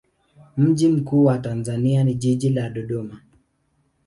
Mji mkuu wa Tanzania ni jiji la Dodoma.